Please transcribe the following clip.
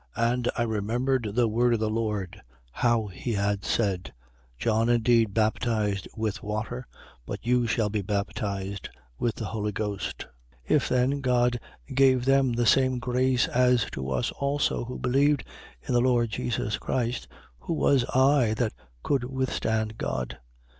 And I remembered the word of the Lord, how that he said: John indeed baptized with water but you shall be baptized with the Holy Ghost. 11:17. If then God gave them the same grace as to us also who believed in the Lord Jesus Christ: who was I, that could withstand God? 11:18.